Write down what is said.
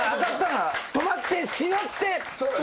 止まってしなって。